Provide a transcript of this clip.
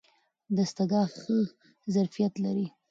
دستګاه ښه ظرفیت لري.